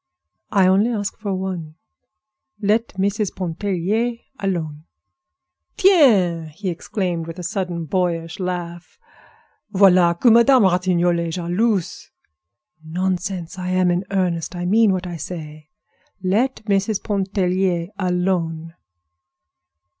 "I only ask for one; let Mrs. Pontellier alone." "Tiens!" he exclaimed, with a sudden, boyish laugh. "Voilà que Madame Ratignolle est jalouse!" "Nonsense! I'm in earnest; I mean what I say. Let Mrs. Pontellier alone."